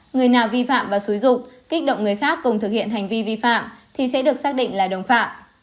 người nào vi phạm và xúi rục kích động người khác cùng thực hiện hành vi vi phạm thì sẽ được xác định là đồng phạm